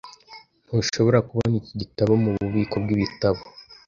Ntushobora kubona iki gitabo mububiko bwibitabo.